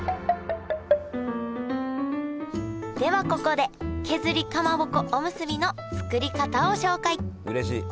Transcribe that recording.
ではここで削りかまぼこおむすびの作り方を紹介うれしい！